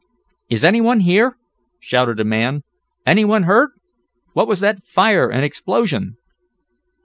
"Is any one here?" shouted a man. "Any one hurt? What was that fire and explosion?"